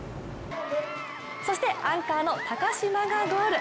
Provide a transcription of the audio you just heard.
そして、アンカーの高島がゴール。